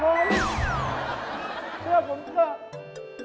เชื่อผมเถอะ